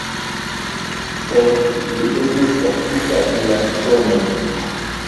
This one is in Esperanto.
Sed li estis kaptita en la tn.